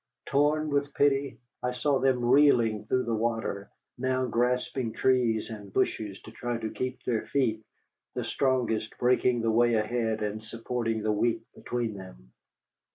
Torn with pity, I saw them reeling through the water, now grasping trees and bushes to try to keep their feet, the strongest breaking the way ahead and supporting the weak between them.